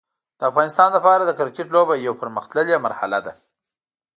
د افغانستان لپاره د کرکټ لوبه یو پرمختللی مرحله ده.